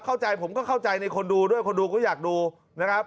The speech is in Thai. ผมก็เข้าใจในคนดูด้วยคนดูก็อยากดูนะครับ